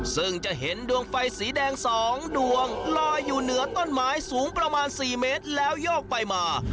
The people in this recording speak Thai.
ซึ่งจะเห็นดวงไฟสีแดง๒ดวงลอยอยู่เหนือต้นไม้สูงประมาณ๔เมตรแล้วโยกไปมา